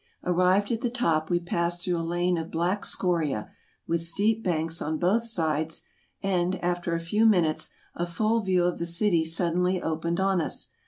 Arrived at the top, we passed through a lane of black scoria, with steep banks on both sides, and, after a few minutes, a full view of the city suddenly opened on us.